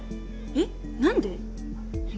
えっ何で？